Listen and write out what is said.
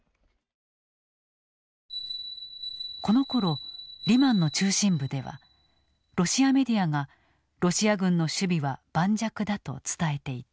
このころリマンの中心部ではロシアメディアがロシア軍の守備は盤石だと伝えていた。